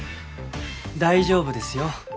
大丈夫ですよ。